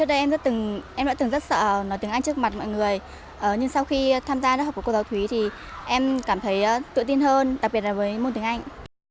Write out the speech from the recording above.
các em có thể tự tin hơn đặc biệt là với môn tiếng anh